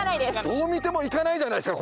どう見ても行かないじゃないですか。